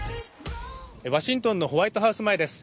ワシントンのホワイトハウス前です。